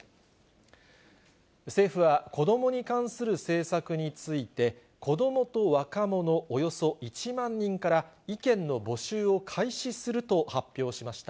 政府は子どもに関する政策について、子どもと若者およそ１万人から、意見の募集を開始すると発表しました。